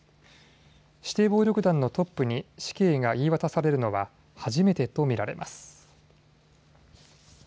指定暴力団のトップに死刑が言い渡されるのは初めてと見られます。